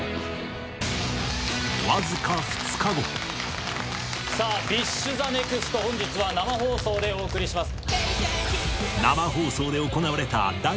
わずかさぁ『ＢｉＳＨＴＨＥＮＥＸＴ』本日は生放送でお送りします。